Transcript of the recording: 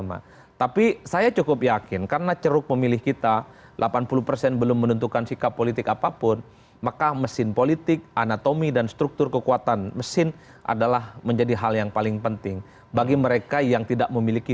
apakah bertambah nantinya